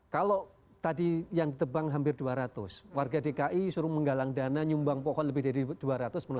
kalau tadi yang ditebang hampir dua ratus warga dki suruh menggalang dana nyumbang pohon lebih dari dua ratus